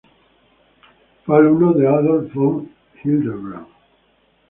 Fue alumno de Adolf von Hildebrand.